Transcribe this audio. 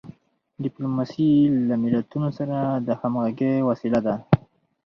ډیپلوماسي له ملتونو سره د همږغی وسیله ده.